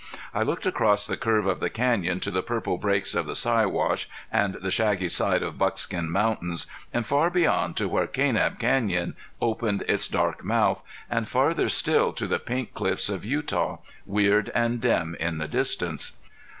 I looked across the curve of the canyon to the purple breaks of the Siwash and the shaggy side of Buckskin Mountain and far beyond to where Kanab Canyon opened its dark mouth, and farther still to the Pink Cliffs of Utah, weird and dim in the distance.